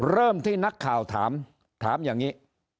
เริ่มที่นักข่าวถามถามอย่างนี้